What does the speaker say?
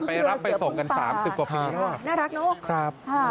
ไปรับไปส่งกัน๓๐กว่าปีแล้วน่ารักเนอะครับ